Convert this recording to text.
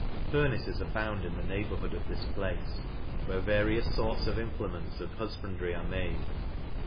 Furnaces abound in the neighbourhood of pis place, where various forts of implements of hufbandry are made.